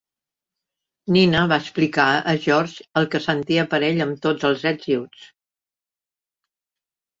Nina va explicar a George el que sentia per ell amb tots els ets i uts.